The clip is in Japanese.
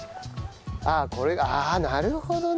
ああこれああなるほどね。